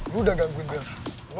lo udah gangguin bella